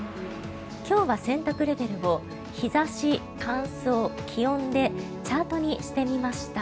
今日は洗濯レベルを日差し、乾燥、気温でチャートにしてみました。